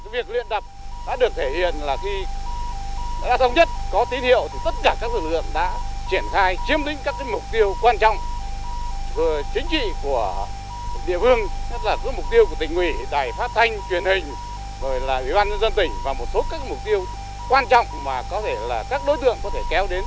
việc luyện tập đã được thể hiện là khi đã xong nhất có tín hiệu tất cả các lực lượng đã triển khai chiếm đính các mục tiêu quan trọng về chính trị của địa phương mục tiêu của tỉnh ủy đài phát thanh truyền hình về bàn dân tỉnh và một số các mục tiêu quan trọng mà các đối tượng có thể kéo đến